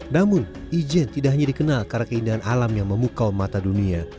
namun ijen tidak hanya dikenal karena keindahan alam yang memukau mata dunia